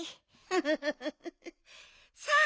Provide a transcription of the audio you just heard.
フフフフさあ